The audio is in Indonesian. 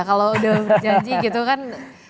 kalau udah berjanji gitu kan